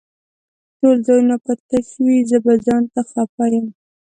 ټول ځايونه به تش وي زه به ځانته خپه يم